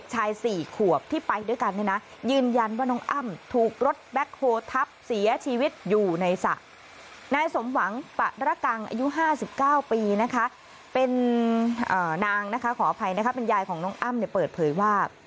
หวังปะระกังอายุ๕๙ปีเป็นนางขออภัยเป็นยายของน้องอ้ำเปิดเผยว่า